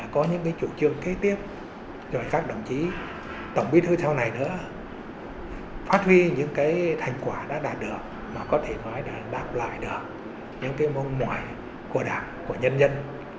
có những cái chủ trương kế tiếp rồi các đồng chí tổng bí thư sau này nữa phát huy những cái thành quả đã đạt được mà có thể nói là đạp lại được những cái mong mỏi của đảng của nhân dân